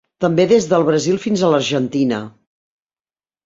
També des del Brasil fins a l'Argentina.